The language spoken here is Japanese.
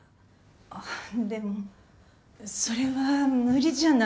でもそれは無理じゃない？